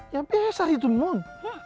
ya biasa itu mon